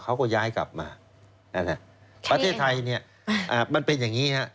เขาก็ย้ายกลับมานั่นแหละประเทศไทยเนี้ยอ่ามันเป็นอย่างงี้ฮะ